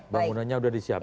bangunannya udah disiapkan